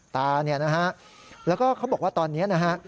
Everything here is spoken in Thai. ตาเนี่ยนะฮะแล้วก็เขาบอกว่าตอนนี้นะฮะ